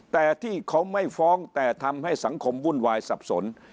แต่ที่เขาไม่ฟ้องแต่ทำให้สังคมวุ่นวายสับสน